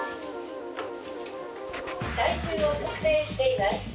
体重を測定しています。